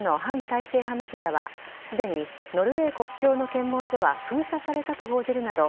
体制派メディアはすでにノルウェー国境の検問所は封鎖されたと報じるなど